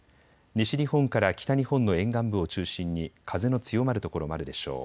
西日本から北日本の沿岸部を中心に風の強まる所もあるでしょう。